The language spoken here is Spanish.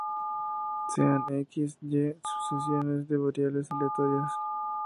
Sean {"X"}, {"Y"} sucesiones de variables aleatorias.